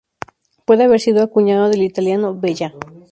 Puede haber sido acuñado del italiano "bella".".